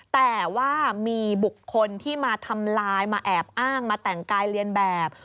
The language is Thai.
แต่ว่ามีบุคคลที่มาทำลายมาแอบอ้างมาแต่งกายเรียนแบบ